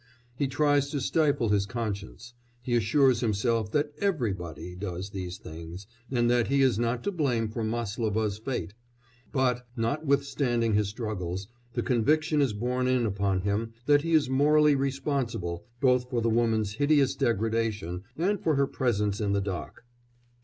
He tries to stifle his conscience; he assures himself that "everybody" does these things, and that he is not to blame for Máslova's fate; but, notwithstanding his struggles, the conviction is borne in upon him that he is morally responsible both for the woman's hideous degradation and for her presence in the dock.